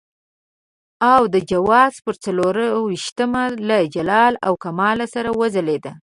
او د جوزا پر څلور وېشتمه له جلال او کمال سره وځلېده.